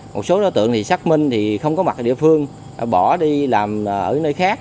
một số đối tượng xác minh không có mặt ở địa phương bỏ đi làm ở nơi khác